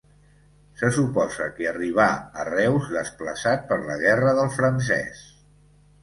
Se suposa que arribà a Reus desplaçat per la guerra del Francès.